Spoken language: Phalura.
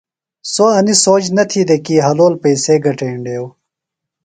سوۡ اینیۡ سوچ نہ تھی دےۡ کی حلول پیئسے گٹینڈیو۔